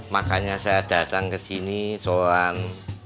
makanya saya datang kesini soal